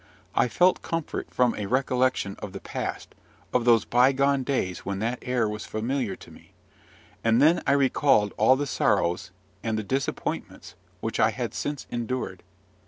I felt comfort from a recollection of the past, of those bygone days when that air was familiar to me; and then I recalled all the sorrows and the disappointments which I had since endured.